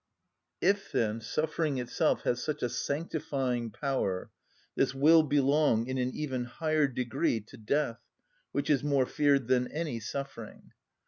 _" If, then, suffering itself has such a sanctifying power, this will belong in an even higher degree to death, which is more feared than any suffering.